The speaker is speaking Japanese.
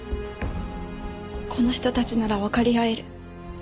この人たちならわかり合える。